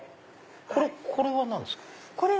これは何ですか？